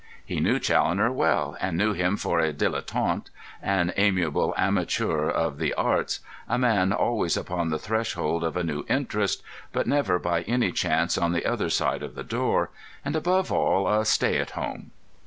He knew Challoner well, and knew him for a dilettante, an amiable amateur of the arts, a man always upon the threshold of a new interest, but never by any chance on the other side of the door, and, above all, a stay at home.